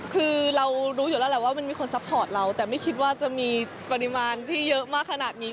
คือเรารู้อยู่แล้วแหละว่ามันมีคนซัพพอร์ตเราแต่ไม่คิดว่าจะมีปริมาณที่เยอะมากขนาดนี้